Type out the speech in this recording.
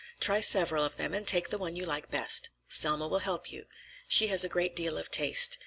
Try several of them, and take the one you like best. Selma will help you. She has a great deal of taste.